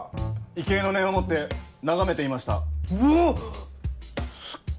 畏敬の念を持って眺めていました。